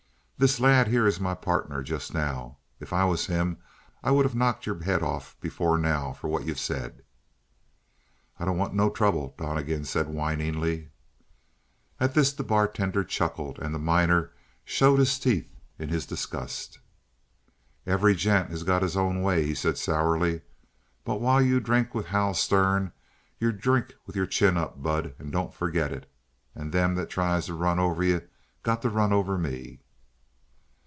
This lad here is my pardner, just now. If I was him I would of knocked your head off before now for what you've said " "I don't want no trouble," Donnegan said whiningly. At this the bartender chuckled, and the miner showed his teeth in his disgust. "Every gent has got his own way," he said sourly. "But while you drink with Hal Stern you drink with your chin up, bud. And don't forget it. And them that tries to run over you got to run over me."